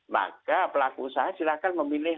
maka pelaku usaha silahkan memilih